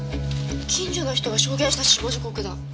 近所の人が証言した死亡時刻だ。